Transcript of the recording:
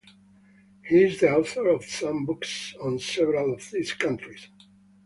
He is the author of some books on several of these countries.